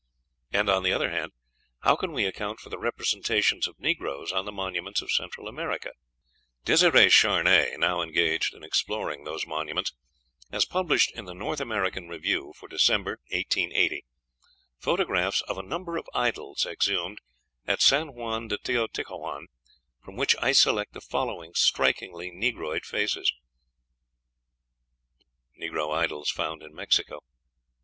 And, on the other hand, how can we account for the representations of negroes on the monuments of Central America? Dêsirè Charnay, now engaged in exploring those monuments, has published in the North American Review for December, 1880, photographs of a number of idols exhumed at San Juan de Teotihuacan, from which I select the following strikingly negroid faces: NEGRO IDOLS FOUND IN MEXICO.